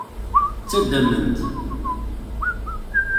Ttaddamen-t.